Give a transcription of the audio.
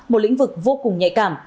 một lĩnh vực vô cùng nhạy cảm